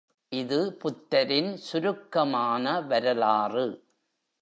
இது புத்தரின் சுருக்கமான வரலாறு.